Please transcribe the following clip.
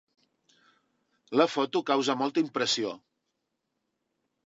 La foto causa molta impressió.